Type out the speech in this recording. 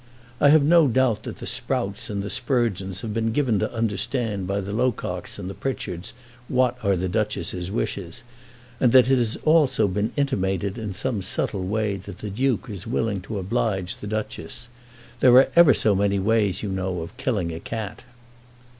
I have no doubt that the Sprouts and the Sprugeons have been given to understand by the Lococks and the Pritchards what are the Duchess's wishes, and that it has also been intimated in some subtle way that the Duke is willing to oblige the Duchess. There are ever so many ways, you know, of killing a cat."